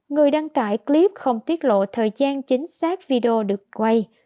người đăng tải clip không tiết lộ thời gian chính xác video được quay